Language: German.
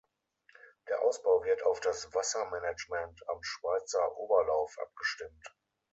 Der Ausbau wird auf das Wassermanagement am Schweizer Oberlauf abgestimmt.